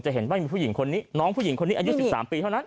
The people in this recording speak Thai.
เห็นว่ามีผู้หญิงคนนี้น้องผู้หญิงคนนี้อายุ๑๓ปีเท่านั้น